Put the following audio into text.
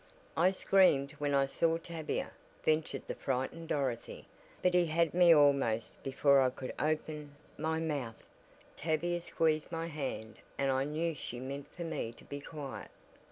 "I screamed when I saw Tavia," ventured the frightened Dorothy, "but he had me almost before I could open my mouth. Tavia squeezed my hand and I knew she meant for me to be quiet."